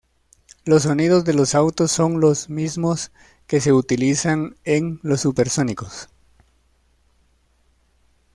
Los sonidos de los autos son los mismos que se utilizan en "Los Supersónicos".